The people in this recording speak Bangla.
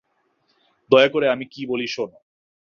দয়া করে আমি কি বলি শোন।